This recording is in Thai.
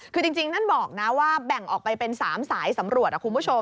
คือจริงท่านบอกนะว่าแบ่งออกไปเป็น๓สายสำรวจคุณผู้ชม